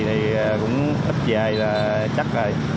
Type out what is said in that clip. thì cũng ít dài là chắc rồi